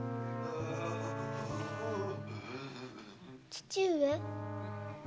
父上？